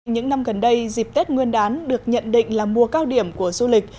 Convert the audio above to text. những năm gần đây dịp tết nguyên đán được nhận định là mùa cao điểm của du lịch